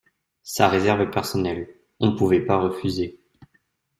sa réserve personnelle. On pouvait pas refuser.